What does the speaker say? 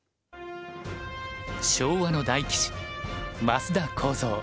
昭和の大棋士升田幸三。